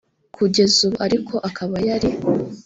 kugeza ubu ariko akaba yari